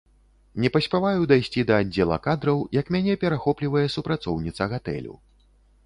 Не паспяваю дайсці да аддзела кадраў, як мяне перахоплівае супрацоўніца гатэлю.